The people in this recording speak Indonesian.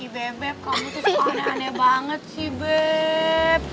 beb kamu tuh suka aneh aneh banget sih beb